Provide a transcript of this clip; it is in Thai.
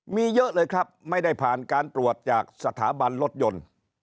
มีเยอะเลยครับไม่ได้ผ่านการตรวจจากสถาบันรถยนต์